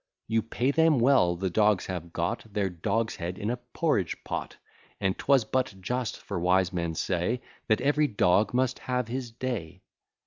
You pay them well, the dogs have got Their dogs head in a porridge pot: And 'twas but just; for wise men say, That every dog must have his day.